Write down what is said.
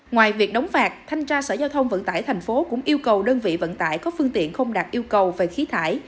ngoài việc đóng phạt thanh tra sở giao thông vận tải tp hcm cũng yêu cầu đơn vị vận tải có phương tiện không đạt yêu cầu về khí thải